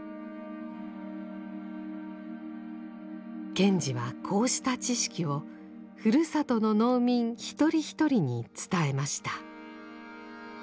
賢治はこうした知識をふるさとの農民一人一人に伝えました。